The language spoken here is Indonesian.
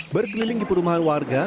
berkeliling di perumahan warga